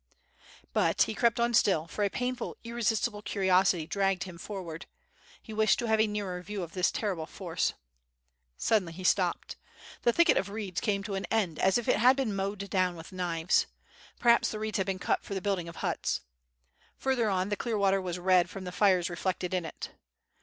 But he crept on still, for a painful, irresistible curiosity dragged him forward. He wished to have a nearer view oi this terrible force. Suddenly he stopped. The thicket of reeds came to an end, as if it had been mowed down with knives. Perhaps the reeds had been cut for the building of huts. Further on the clear water was red from the fires reflected in it.